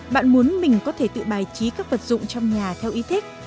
bạn muốn mình có thể tự bài trí các vật dụng trong nhà theo ý thích